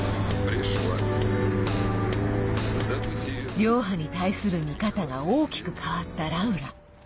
リョーハに対する見方が大きく変わったラウラ。